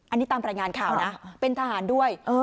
อันนี้ตามรายงานข่าวนะเป็นทหารด้วย